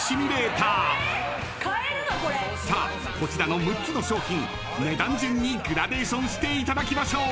［さあこちらの６つの商品値段順にグラデーションしていただきましょう］